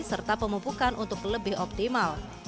serta pemupukan untuk lebih optimal